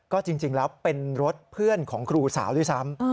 ก็จริงแล้วเป็นรถเพื่อนของครูสาวด้วยซ้ำ